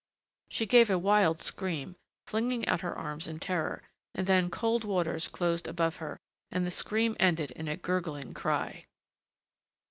She gave a wild scream, flinging out her arms in terror, and then cold waters closed above her, and the scream ended in a gurgling cry.